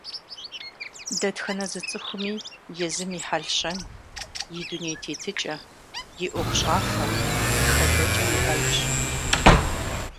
Дэтхэнэ зы цӏыхуми езым и хьэлщэн, и дуней тетыкӏэ, и ӏуэхущӏафэ, и хэдэкӏэ иӏэжщ.